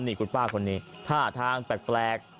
นี่คุณป้าคนนี้ท่าทางแปลก